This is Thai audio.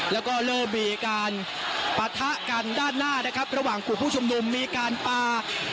แล้วก็เริ่มมีการปะทะกันด้านหน้านะครับระหว่างกลุ่มผู้ชุมนุมมีการปลา